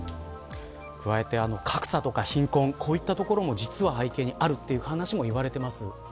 加えて、格差や貧困こういったところの事実も背景にあるという話も言われています。